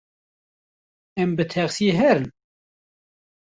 Em bi texsiyê herin?